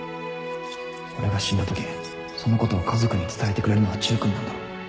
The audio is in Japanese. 俺が死んだときそのことを家族に伝えてくれるのはチュウ君なんだろ？